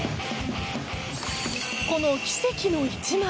この奇跡の１枚。